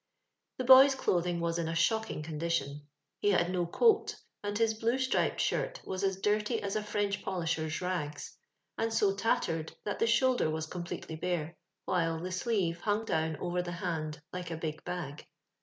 The boy's clothing was in a shocking con dition. He had no coat, and his blue striped shirt was as dirty as a French polisher's rags, and so tattered, that the shoulder was com pletely bare, while the sleeve hung down over the hand like a big bag.